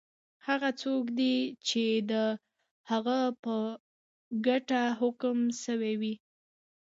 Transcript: هغه څوک دی چی د هغه په ګټه حکم سوی وی؟